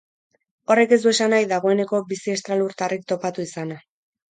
Horrek ez du esan nahi dagoeneko bizi estralurtarrik topatu izana.